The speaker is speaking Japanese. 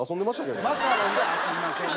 マカロンでは遊びません。